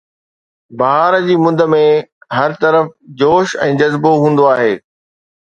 بهار جي مند ۾ هر طرف جوش ۽ جذبو هوندو آهي